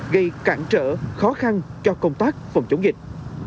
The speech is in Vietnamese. gây cản trở khó khăn cho công tác phòng chống dịch